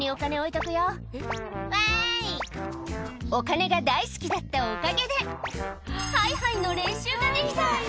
お金が大好きだったおかげで、はいはいの練習ができた。